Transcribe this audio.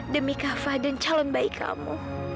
demi kak fad dan calon bayi kamu